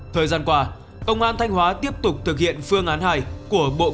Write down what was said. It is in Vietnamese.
thời gian qua công an thanh hóa tiếp tục thực hiện phương án hài của bộ công an